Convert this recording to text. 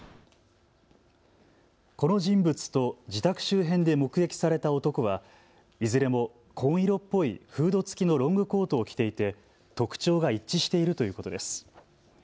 この人物と自宅周辺で目撃された男はいずれも紺色っぽいフード付きのロングコートを着ていて特徴が一致しているということです。